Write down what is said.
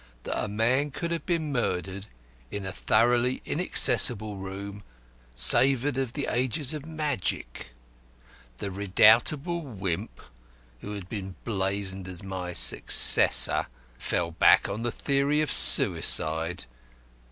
That a man could have been murdered in a thoroughly inaccessible room savoured of the ages of magic. The redoubtable Wimp, who had been blazoned as my successor, fell back on the theory of suicide.